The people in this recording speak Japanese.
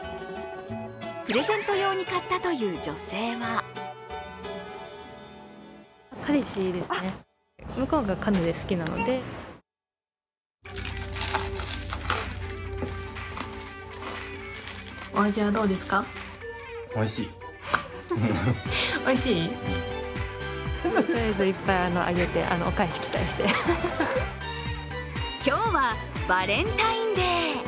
プレゼント用に買ったという女性は今日はバレンタインデー。